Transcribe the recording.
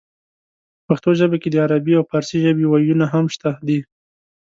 پښتو ژبې کې د عربۍ او پارسۍ ژبې وييونه هم شته دي